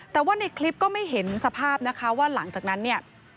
แต่ว่าในคลิปก็ไม่เห็นสภาพนะคะว่าหลังจากนั้นเนี่ย